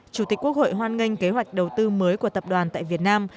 chủ tịch quốc hội hoan nghênh kế hoạch đầu tư mới của tập đoàn tại việt nam